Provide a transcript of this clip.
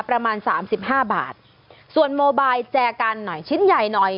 ประมาณสามสิบห้าบาทส่วนโมบายแจกันหน่อยชิ้นใหญ่หน่อย